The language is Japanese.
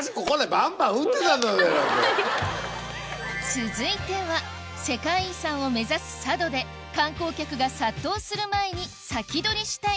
続いては世界遺産を目指す佐渡で観光客が殺到する前に先取りしたいグルメや名物を調査